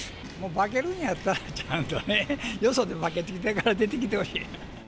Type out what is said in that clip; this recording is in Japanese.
化けるんやったら、ちゃんとね、よそで化けてきてから出てきてほしい。